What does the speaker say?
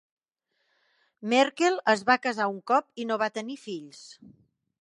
Merkel es va casar un cop i no va tenir fills.